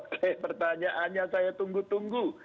oke pertanyaannya saya tunggu tunggu